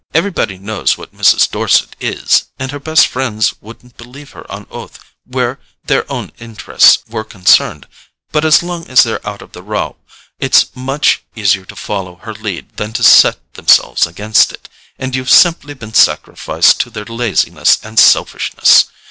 Everybody knows what Mrs. Dorset is, and her best friends wouldn't believe her on oath where their own interests were concerned; but as long as they're out of the row it's much easier to follow her lead than to set themselves against it, and you've simply been sacrificed to their laziness and selfishness.